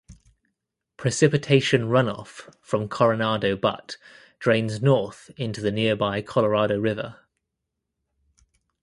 Precipitation runoff from Coronado Butte drains north into the nearby Colorado River.